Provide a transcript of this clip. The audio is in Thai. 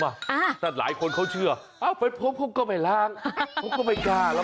เป็นแบบหลายคนเขาเชื่อมันคือพบว่าก็ไม่ล้างไม่รัก